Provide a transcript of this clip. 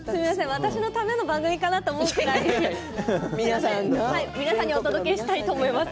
私のための番組かなと思って皆さんにお届けしたいと思います。